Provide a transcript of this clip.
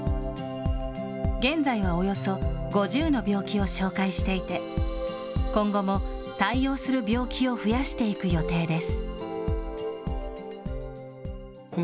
現在はおよそ５０の病気を紹介していて、今後も対応する病気を増やしていく予定です。